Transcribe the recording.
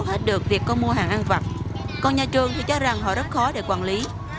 hết được việc có mua hàng ăn vặt còn nhà trường thì cho rằng họ rất khó để quản lý